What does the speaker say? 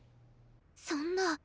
そんな。